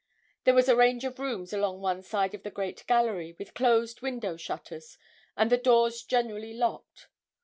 There was a range of rooms along one side of the great gallery, with closed window shutters, and the doors generally locked.